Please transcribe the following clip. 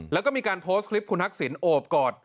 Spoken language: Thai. แล้วก็มีการโพสต์คลิปคุณทักษิณโอบกอด